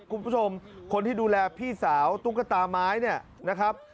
คุณผู้ชมคนที่ดูแลพี่สาวตุ๊กตาไม้เนี่ยนะครับ